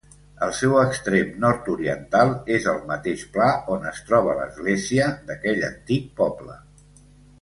El seu extrem nord-oriental és el mateix pla on es troba l'església d'aquell antic poble.